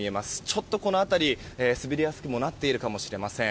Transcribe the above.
ちょっとこの辺り、滑りやすくもなっているかもしれません。